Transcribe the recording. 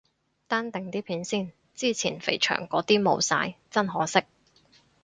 單定啲片先，之前肥祥嗰啲冇晒，真可惜。